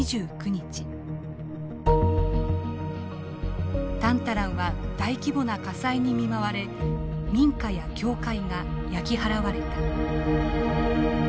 そしてタンタランは大規模な火災に見舞われ民家や教会が焼き払われた。